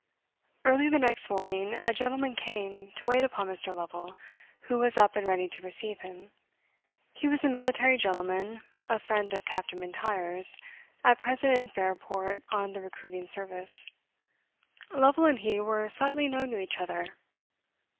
Early the next morning, a gentleman came to wait upon Mr. Lovel, who was up and ready to receive him. He was a military gentleman, a friend of Captain M'Intyre's, at present in Fairport on the recruiting service. Lovel and he were slightly known to each other.